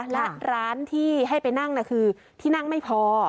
และร้านที่ให้ไปนั่งคือที่นั่งไม่พอ